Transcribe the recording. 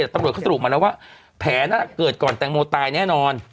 ตำรวจเขาสรุปมาแล้วว่าแผลนั้นเกิดก่อนแตงโมตายแน่นอน